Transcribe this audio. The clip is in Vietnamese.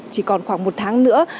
chỉ còn khoảng một tháng nữa